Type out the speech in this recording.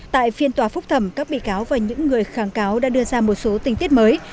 tại phiên tòa phúc thẩm các bị cáo và những người kháng cáo đã đưa ra một số tình tiết mới